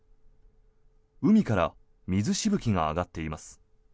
海から水しぶきが上がっています。